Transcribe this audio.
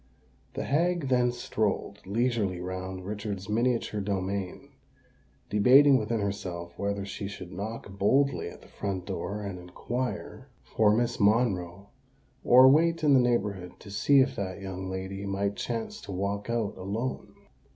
The hag then strolled leisurely round Richard's miniature domain, debating within herself whether she should knock boldly at the front door and inquire for Miss Monroe, or wait in the neighbourhood to see if that young lady might chance to walk out alone.